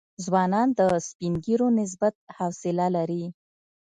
ځوانان د سپین ږیرو نسبت حوصله لري.